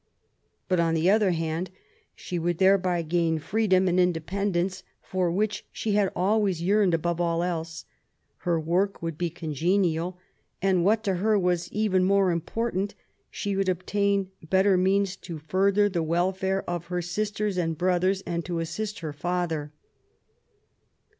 / But, on the other hand, she would thereby gain freedom and independence, for which she had always yearned above all else ; her work would be congenial ; and, what to her was even more important, she would obtain better means to further the welfare of her sisters and brothers, and to assist her father.